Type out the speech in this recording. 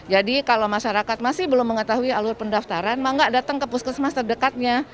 jadi kalau masyarakat masih belum mengetahui alur pendaftaran maka datang ke puskesmas terdekatnya